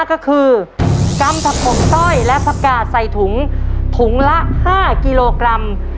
ก็คือกำผักผมสร้อยและผักกาดใส่ถุงถุงละ๕กิโลกรัม